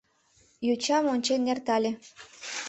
Йочам ончен эртале.